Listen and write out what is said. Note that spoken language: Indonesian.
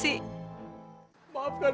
terima kasih pak